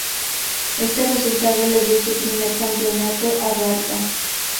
Este resultado le dio su primer campeonato a Barva.